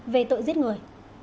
về tội giết người